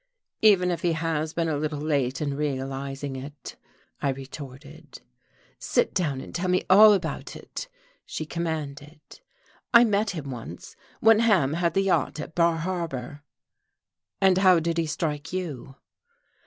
"Even if he has been a little late in realizing it," I retorted. "Sit down and tell me all about him," she commanded. "I met him once, when Ham had the yacht at Bar Harbor." "And how did he strike you?"